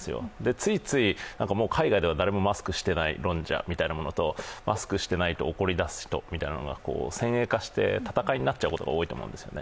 ついついもう海外では誰もマスクしていない論者みたいなのとマスクしていないと怒り出す人みたいなのが先鋭化して戦いになってしまうことが多いと思うんですよね。